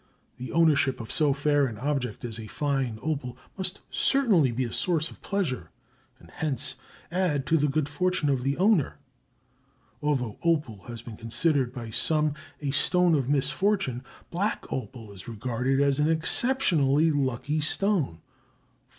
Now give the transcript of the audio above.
The ownership of so fair an object as a fine opal must certainly be a source of pleasure, and hence add to the good fortune of the owner. Although opal has been considered by some a stone of misfortune, black opal is regarded as an exceptionally lucky stone.